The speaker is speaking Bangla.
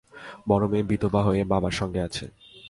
বড় মেয়ে বিধবা হয়ে বাবার সঙ্গে আছে।